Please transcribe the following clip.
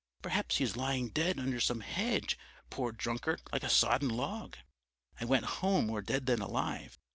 'Perhaps he is lying dead under some hedge, poor drunkard, like a sodden log.' I went home more dead than alive.